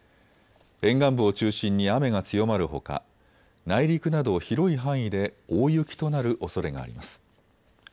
沿岸部を中心に雨が強まるほか内陸など広い範囲で大雪となるおそれがあります。